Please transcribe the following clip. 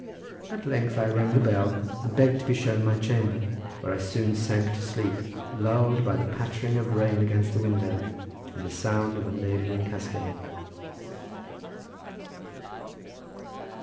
At length I rang the bell and begged to be shown to my chamber, where I soon sank to sleep, lulled by the pattering of rain against the window and the sound of a neighbouring cascade.